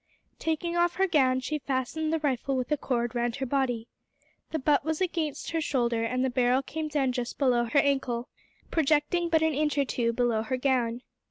Taking off her gown, she fastened the rifle with a cord round her body. The butt was against her shoulder and the barrel came down just below her ankle, projecting but an inch or two below her gown.